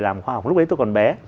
làm khoa học lúc ấy tôi còn bé